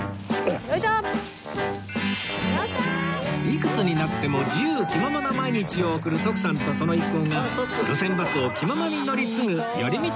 いくつになっても自由気ままな毎日を送る徳さんとその一行が路線バスを気ままに乗り継ぐ寄り道の旅